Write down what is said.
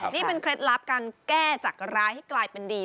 นี่เป็นเคล็ดลับการแก้จากร้ายให้กลายเป็นดี